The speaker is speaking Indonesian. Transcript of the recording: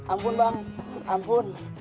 ampun bang ampun